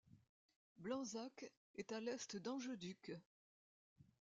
Blanzac est à l'est d'Angeduc.